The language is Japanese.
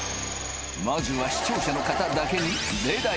まずは視聴者の方だけに例題